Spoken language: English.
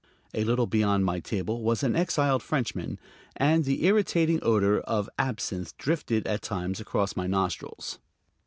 A little beyond my table was an exiled Frenchman, and the irritating odor of absinthe drifted at times across my nostrils.